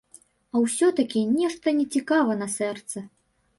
А ўсё-такі нешта нецікава на сэрцы.